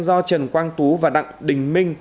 do trần quang tú và đặng đình minh